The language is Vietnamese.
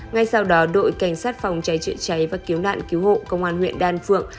ngay sau đó đội cảnh sát phòng cháy chữa cháy và cứu nạn cứu hộ công an huyện đan phượng